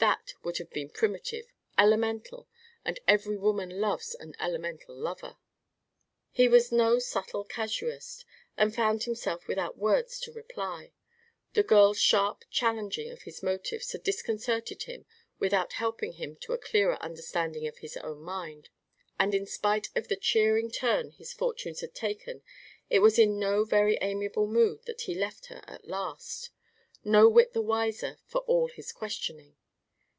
That would have been primitive elemental and every woman loves an elemental lover." He was no subtle casuist, and found himself without words to reply. The girl's sharp challenging of his motives had disconcerted him without helping him to a clearer understanding of his own mind, and in spite of the cheering turn his fortunes had taken it was in no very amiable mood that he left her at last, no whit the wiser for all his questioning.